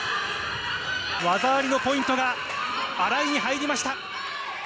技ありのポイントが新井に入りました。